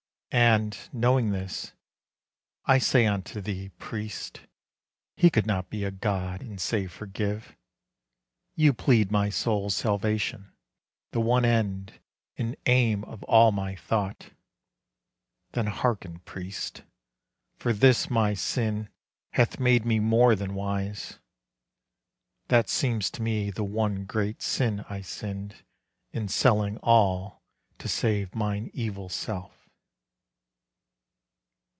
And, knowing this, I say unto thee, priest, He could not be a God and say, forgive. You plead my soul's salvation the one end And aim of all my thought; then hearken, priest, For this my sin hath made me more than wise: That seems to me the one great sin I sinned In selling all to save mine evil self.